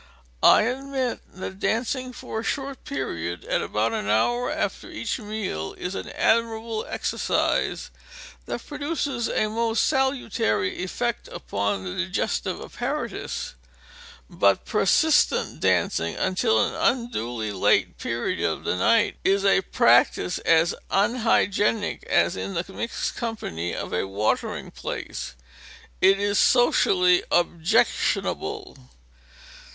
I admit that dancing for a short period, at about an hour after each meal, is an admirable exercise that produces a most salutary effect upon the digestive apparatus; but persistent dancing until an unduly late period of the night is a practice as unhygienic as, in the mixed company of a watering place, it is socially objectionable.